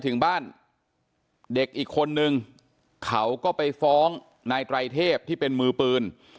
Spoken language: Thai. ถึงบ้านเด็กอีกคนนึงเขาก็ไปฟ้องนายไตรเทพที่เป็นมือปืน